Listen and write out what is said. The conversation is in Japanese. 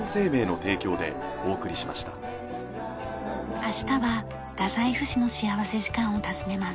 明日は太宰府市の幸福時間を訪ねます。